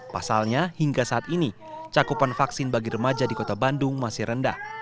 pasalnya hingga saat ini cakupan vaksin bagi remaja di kota bandung masih rendah